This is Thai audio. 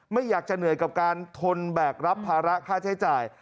ไม่อยากจะเหนื่อยกับการทนแบกรับภาระค่าใช้จ่าย